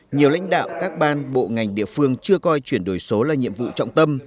nhiều lãnh đạo các ban bộ ngành địa phương chưa coi chuyển đổi số là nhiệm vụ trọng tâm